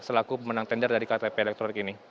selaku pemenang tender dari ktp elektronik ini